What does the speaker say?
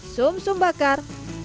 sum sum bakar